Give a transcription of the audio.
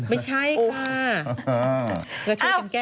ไม่ใช่ค่ะ